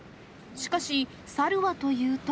しかし、猿はというと。